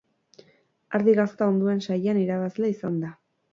Ardi gazta onduen sailean irabazle izan da.